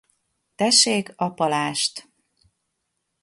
Tessék a palást.